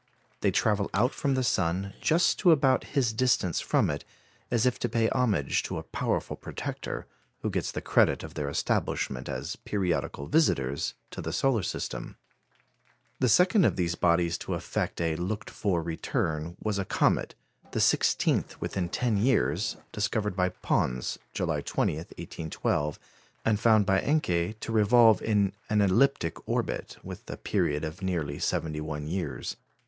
They travel out from the sun just to about his distance from it, as if to pay homage to a powerful protector, who gets the credit of their establishment as periodical visitors to the solar system. The second of these bodies to affect a looked for return was a comet the sixteenth within ten years discovered by Pons, July 20, 1812, and found by Encke to revolve in an elliptic orbit, with a period of nearly 71 years.